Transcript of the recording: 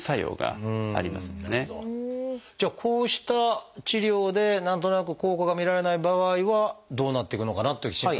じゃあこうした治療で何となく効果が見られない場合はどうなっていくのかなっていう心配がありますが。